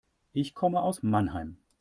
Ich komme aus Mannheim